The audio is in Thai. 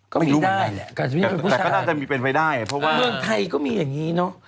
ก็ไม่รู้เหมือนกันแหละแต่ก็น่าจะมีเป็นไปได้เพราะว่าเมืองไทยก็มีอย่างนี้เนอะ